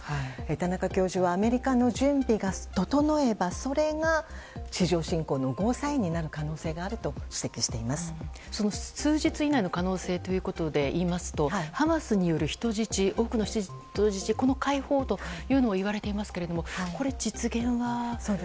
田中教授はアメリカの準備が整えばそれが地上侵攻のゴーサインになる可能性があると数日以内の可能性でいいますとハマスによる多くの人質のこの解放といわれていますがこれの実現は？